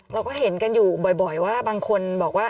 เราก็เห็นกันอยู่บ่อยว่าบางคนบอกว่า